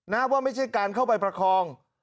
นะว่าไม่ใช่การเข้าไปประคอง